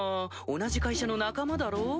同じ会社の仲間だろ？